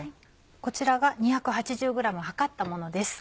こちらが２８０ｇ量ったものです。